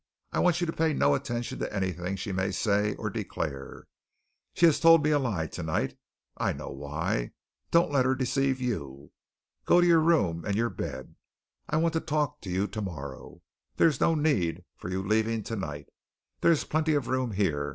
I want you to pay no attention to anything she may say or declare. She has told me a lie tonight. I know why. Don't let her deceive you. Go to your room and your bed. I want to talk to you tomorrow. There is no need of your leaving tonight. There is plenty of room here.